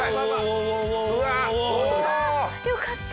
よかった！